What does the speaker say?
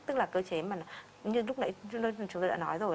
tức là cơ chế mà như lúc nãy chúng tôi đã nói rồi